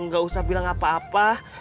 nggak usah bilang apa apa